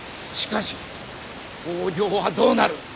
しかし北条はどうなる。